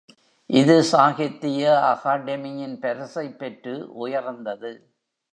இது சாகித்திய அகாடெமியின் பரிசைப் பெற்று உயர்ந்தது.